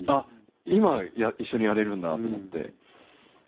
今、一緒にやれるんだと思って。